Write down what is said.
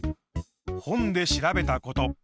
本で調べたこと。